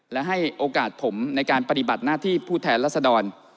และให้โอกาสผมในการปฏิบัติหน้าที่ผู้แทนรัศดร